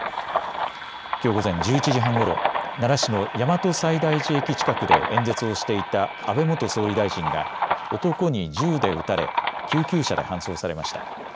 きょう午前１１時半ごろ奈良市の大和西大寺駅近くで演説をしていた安倍元総理大臣が男に銃で撃たれ救急車で搬送されました。